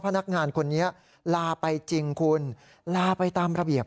พนักงานคนนี้ลาไปจริงคุณลาไปตามระเบียบ